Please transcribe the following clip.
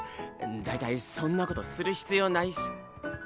だいたいそんなことする必要ないし。